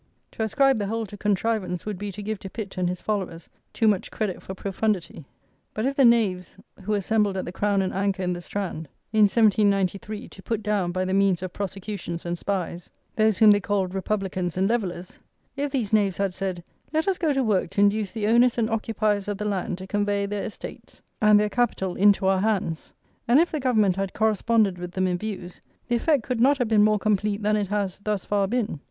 To ascribe the whole to contrivance would be to give to Pitt and his followers too much credit for profundity; but if the knaves who assembled at the Crown and Anchor in the Strand, in 1793, to put down, by the means of prosecutions and spies, those whom they called "Republicans and Levellers;" if these knaves had said, "Let us go to work to induce the owners and occupiers of the land to convey their estates and their capital into our hands," and if the Government had corresponded with them in views, the effect could not have been more complete than it has, thus far, been.